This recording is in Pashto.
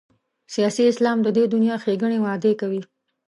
سیاسي اسلام د دې دنیا ښېګڼې وعدې کوي.